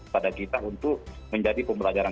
pada kita untuk menjadi pembelajaran